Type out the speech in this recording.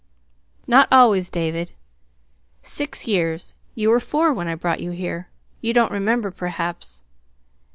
"Not always, David; six years. You were four when I brought you here. You don't remember, perhaps."